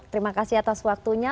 terima kasih atas waktunya